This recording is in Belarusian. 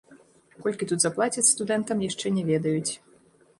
Колькі тут заплацяць студэнтам, яшчэ не ведаюць.